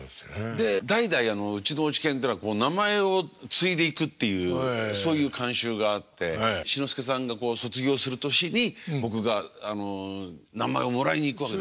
で代々うちの落研ってのは名前を継いでいくっていうそういう慣習があって志の輔さんが卒業する年に僕が名前をもらいに行くわけですよ。